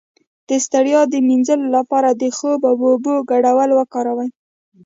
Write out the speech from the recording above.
د ستړیا د مینځلو لپاره د خوب او اوبو ګډول وکاروئ